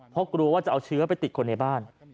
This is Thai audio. เพราะกลัวว่าจะเอาเชื้อไปติดคนในบ้าน